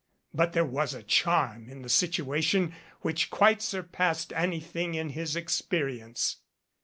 But there was a charm in the situation which quite surpassed anything in his experience.